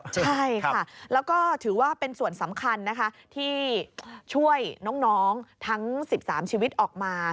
ใช่ค่ะแล้วก็ถือว่าเป็นส่วนสำคัญนะคะที่ช่วยน้องทั้ง๑๓ชีวิตออกมา